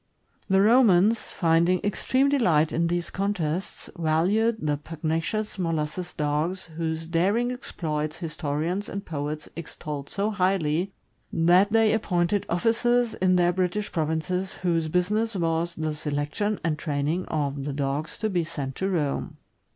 The Romans, finding extreme delight in these contests, valued the pugnacious Molossus Dogs, whose daring exploits historians and poets extolled so highly that they appointed officers in their British provinces whose business was the selection and training of the dogs to be sent to Rome.